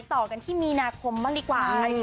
ต่อกันที่มีนาคมบ้างดีกว่า